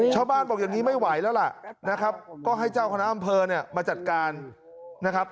ชาวบ้านบอกอย่างนี้ไม่ไหวแล้วล่ะนะครับก็ให้เจ้าคณะอำเภอเนี่ยมาจัดการนะครับ